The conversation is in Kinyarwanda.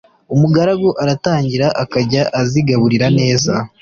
umugaragu aratangira akajya azigaburira neza